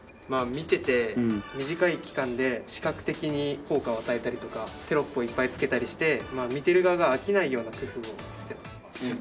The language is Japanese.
まあ見てて短い期間で視覚的に効果を与えたりとかテロップをいっぱいつけたりして見てる側が飽きないような工夫をしてます。